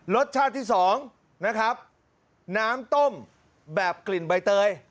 รสชาติที่สองนะครับน้ำต้มแบบกลิ่นใบเตย